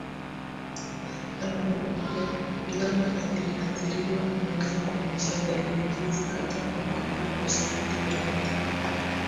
Mara moja moja mnyama aliyeathiriwa anaweza kuonyesha dalili hizi hata iwapo hakuna ushahidi wowote